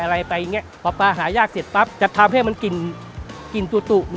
การเริ่มไปหายากเสร็จปรับก็จะทำให้มันกลิ่นตุ๊ดตุ๊ด